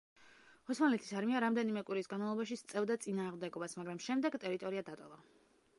ოსმალეთის არმია რამდენიმე კვირის განმავლობაში სწევდა წინააღმდეგობას, მაგრამ შემდეგ ტერიტორია დატოვა.